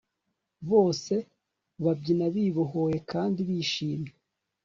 bose babyina bibohoye kandi bishimye